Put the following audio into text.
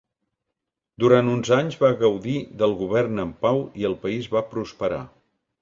Durant uns anys va gaudir del govern en pau i el país va prosperar.